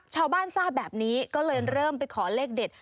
ชาวบ้านซ่าแบบนี้ก็เลยเริ่มไปขอเลขเด็ด